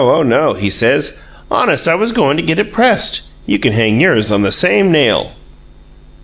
Oh no,' he says. 'Honest, I was goin' to get it pressed!' You can hang yours on the same nail."